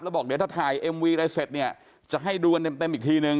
แล้วบอกเดี๋ยวถ้าถ่ายเอ็มวีอะไรเสร็จเนี่ยจะให้ดูกันเต็มอีกทีนึง